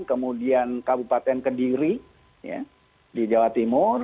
kemudian kabupaten kediri di jawa timur